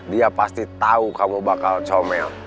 dia pasti tahu kamu bakal comel